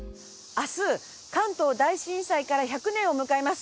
明日関東大震災から１００年を迎えます。